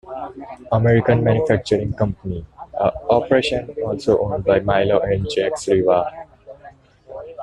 American Manufacturing Company, a operation also owned by Milo and Jacques Revah.